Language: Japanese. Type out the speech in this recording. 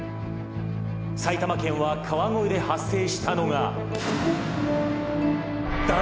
埼玉県は川越で発生したのが」